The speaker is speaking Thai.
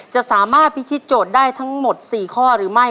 จะสามารถพิธีโจทย์ได้ทั้งหมด๔ข้อหรือไม่